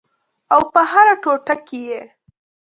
او په هره ټوټه کې یې